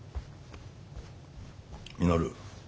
稔。